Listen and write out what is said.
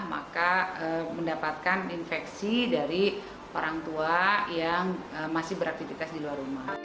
maka mendapatkan infeksi dari orang tua yang masih beraktivitas di luar rumah